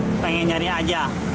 tidak pengen cari saja